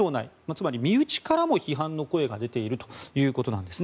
つまり身内からも批判の声が出ているということです。